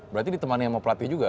berarti ditemani sama pelatih juga